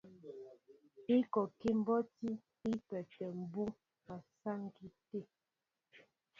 Ikɔkí mbonti í pə́ə́tɛ̄ mbú' a saŋki tə̂.